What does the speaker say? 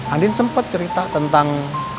andin sempat cerita tentang